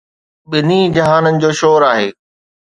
ٻنھي جھانن جو شور آھي